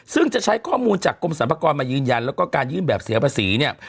ซึ่งจะใช้ข้อมูลจากกรมสรรพากรมายืนยันแล้วก็การยื่นแบบเสียภาษีเนี่ย